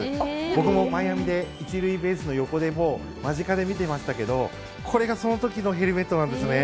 僕もマイアミで１塁ベースの横で間近で見てましたけどこれがその時のヘルメットなんですね。